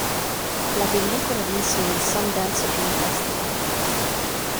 La pellicola vinse il Sundance Film Festival.